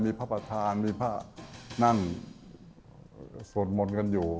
มีพระประธานมีพระนั่งสวดมนต์กันอยู่